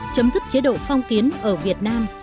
chấm dứt chế độ phong kiến ở việt nam